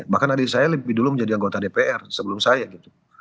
bahkan adik saya lebih dulu menjadi anggota dpr sebelum saya gitu